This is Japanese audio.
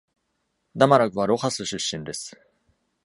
ダマラグはロハス出身です。